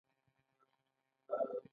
زموږ اخلاق د څوکۍ په ارزښت ولاړ دي.